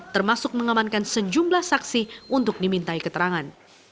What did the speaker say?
termasuk mengamankan sejumlah saksi untuk dimintai keterangan